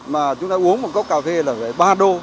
mà chúng ta uống một cốc cà phê là vậy ba đô